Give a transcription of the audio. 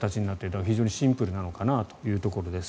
だから非常にシンプルなのかなというところです。